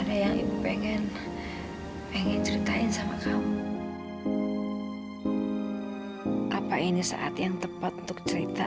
sampai jumpa di video selanjutnya